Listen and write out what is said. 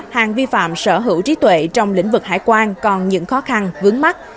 hàng vi phạm sở hữu trí tuệ trong lĩnh vực hải quan còn những khó khăn vướng mắt